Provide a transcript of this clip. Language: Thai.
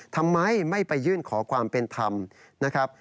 ทำไมไม่ไปยื่นขอความเป็นธรรมนะครับ